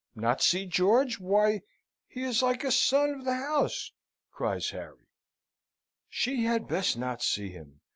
"Not see George? Why, he is like a son of the house," cries Harry. "She had best not see him.